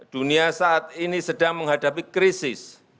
dunia saat ini sedang menghadapi krisis